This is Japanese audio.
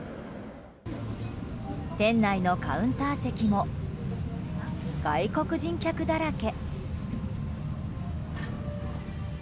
店内のカウンター席も外国人客だらけ。